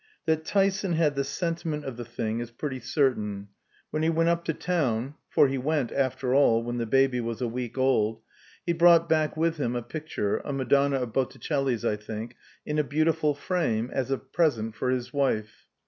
That Tyson had the sentiment of the thing is pretty certain. When he went up to town (for he went, after all, when the baby was a week old), he brought back with him a picture (a Madonna of Botticelli's, I think) in a beautiful frame, as a present for his wife.